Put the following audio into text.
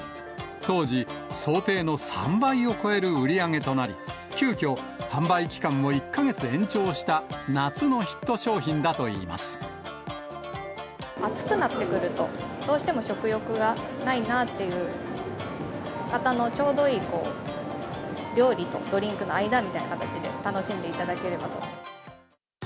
当時、想定の３倍を超える売り上げとなり、急きょ、販売期間を１か月延長した夏のヒット商品だと暑くなってくると、どうしても食欲がないなっていう方のちょうどいい料理とドリンクの間みたいな形で、楽しんでいただければと。